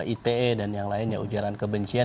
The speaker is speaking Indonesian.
ite dan yang lainnya ujaran kebencian